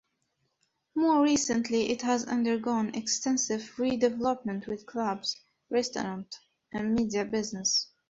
More recently it has undergone extensive redevelopment with clubs, restaurants and media businesses.